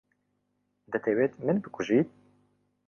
دەتەوێت من بکوژیت؟